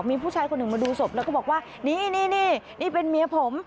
มีผู้ชายคนหนึ่งมาดูศพแล้วก็บอกว่านี่นี่เป็นเมียผม